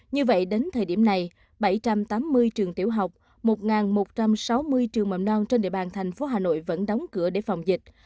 như vậy đến thời điểm này bảy trăm tám mươi trường tiểu học một một trăm sáu mươi trường mầm non trên địa bàn thành phố hà nội vẫn đóng cửa để phòng dịch